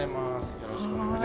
よろしくお願いします。